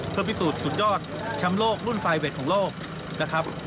เพื่อพิสูจน์สุดยอดแชมป์โลกรุ่นไฟเวทของโลกนะครับ